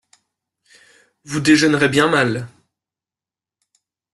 Vous déjeunerez bien mal.